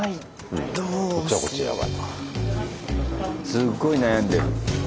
すっごい悩んでる。